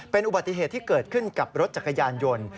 เป็นอุบัติเหตุที่เกิดขึ้นกับรถจักรยานยนต์